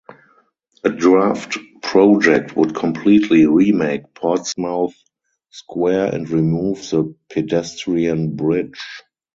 A draft project would completely remake Portsmouth Square and remove the pedestrian bridge.